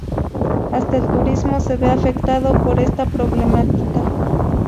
Hasta el turismo se ve afectado por esta problemática.